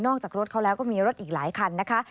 จากรถเขาแล้วก็มีรถอีกหลายคันนะคะ